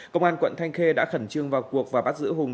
công an quận thanh khê đã khẩn trương vào cuộc và bắt giữ hùng